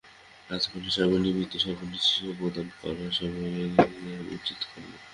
রাজা বলিলেন, স্বামীর নিমিত্ত সর্বনাশস্বীকার ও প্রাণদান করা সেবকের উচিত কর্ম।